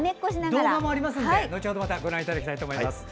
また動画もありますので後程ご覧いただきたいと思います。